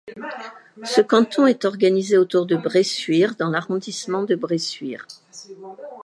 Ce canton est organisé autour de Bressuire dans l'arrondissement de Bressuire.